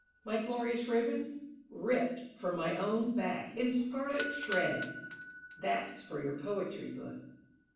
My glorious ribbons? Ripped from my own back In scarlet shreds. (That's for your poetry book.)